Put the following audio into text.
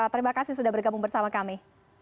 terima kasih sudah bergabung bersama kami